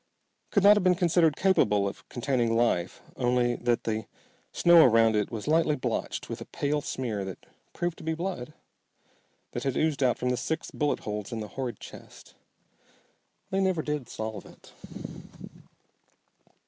Could not have been considered capable of containing life only that the snow around it was lightly blotched with a pale smear that proved to be blood, that had oozed out from the six bullet holes in the horrid chest. They never did solve it.